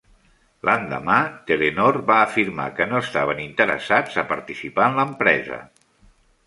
L'endemà, Telenor va afirmar que no estaven interessats a participar en l'empresa.